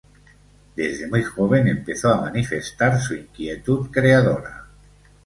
Desde muy joven empezó a manifestar su inquietud creadora.